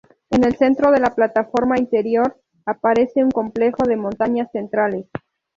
En el centro de la plataforma interior aparece un complejo de montañas central.